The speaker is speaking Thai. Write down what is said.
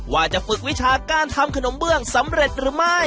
ว่าจะฝึกวิชาการทำขนมเบื้องสำเร็จหรือไม่